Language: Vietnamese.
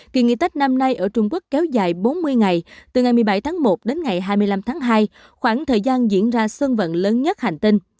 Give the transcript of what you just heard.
kỳ nghỉ tết năm nay ở trung quốc kéo dài bốn mươi ngày từ ngày một mươi bảy tháng một đến ngày hai mươi năm tháng hai khoảng thời gian diễn ra sân vận lớn nhất hành tinh